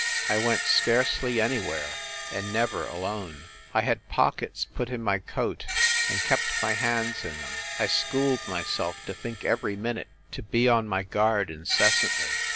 I went scarcely anywhere, and never alone. I had pockets put in my coat, and kept my hands in them. I schooled myself to think every minute, to be on my guard incessantly.